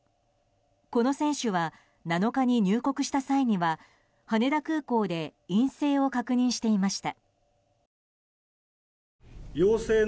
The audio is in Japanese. この選手は７日に入国した際には羽田空港で陰性を確認していました。